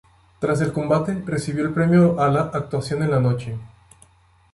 Tras el combate, recibió el premio a la "Actuación en la Noche".